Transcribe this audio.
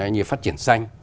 như phát triển xanh